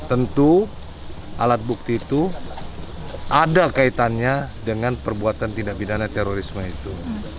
tentu alat bukti itu ada kaitannya dengan perbuatan tidak pidana terorisme itu